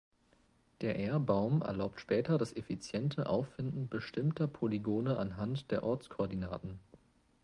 Der R-Baum erlaubt später das effiziente Auffinden bestimmter Polygone anhand der Ortskoordinaten.